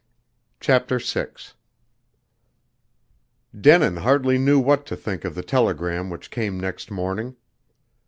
CHAPTER VI Denin hardly knew what to think of the telegram which came next morning.